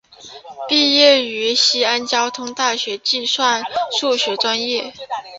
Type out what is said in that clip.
毕业于西安交通大学计算数学专业。